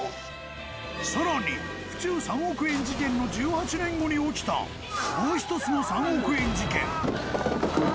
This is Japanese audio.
更に、府中３億円事件の１８年後に起きたもう１つの３億円事件。